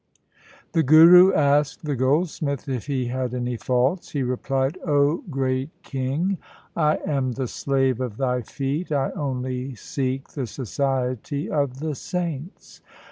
The Guru asked the goldsmith if he had any faults. He replied, ' O great king, I am the slave of thy feet, I only seek the society of the saints.'